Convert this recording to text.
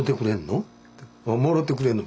「もろうてくれんの？